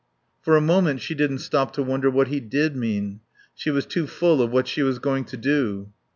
For a moment she didn't stop to wonder what he did mean. She was too full of what she was going to do.